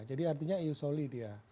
jadi artinya ius soli dia